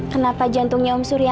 kenapa jantungnya om surya